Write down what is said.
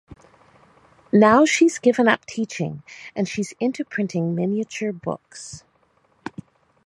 Now she's given up teaching and she's into printing miniature books.